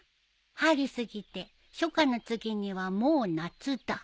「春過ぎて初夏の次にはもう夏だ」